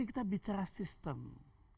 kita bicara sistem mungkin benar tadilah ya